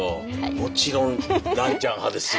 もちろんランちゃん派ですよ。